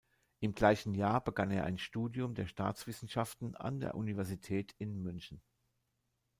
Im gleichen Jahr begann er ein Studium der Staatswissenschaften an der Universität in München.